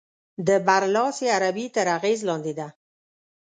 د برلاسې عربي تر اغېز لاندې ده.